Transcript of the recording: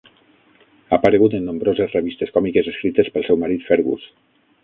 Ha aparegut en nombroses revistes còmiques escrites pel seu marit Fergus.